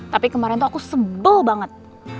tapi kemarin tuh aku sebel banget